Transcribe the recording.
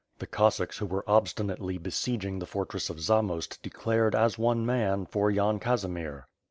The Cossacks who were obstinately besieging the fortress of Zamost declared, as one man, for Yan Casimir.